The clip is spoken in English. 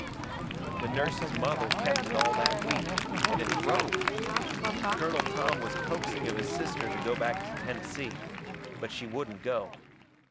The nurse's mother kept it all that week, and it throve. Colonel Tom was coaxing of his sister to go back to Tennessee. But she wouldn't go.